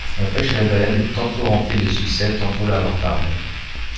La pêche à la baleine est tantôt remplie de succès, tantôt lamentable.